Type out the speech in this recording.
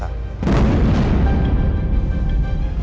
atau anda dibayar oleh elsa